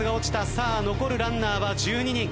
さあ残るランナーは１２人。